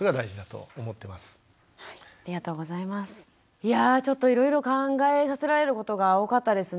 いやぁちょっといろいろ考えさせられることが多かったですね。